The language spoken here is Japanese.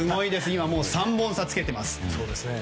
今、３本差をつけています。